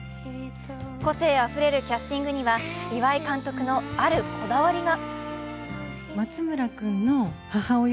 個性あふれるキャスティングには岩井監督のあるこだわりが。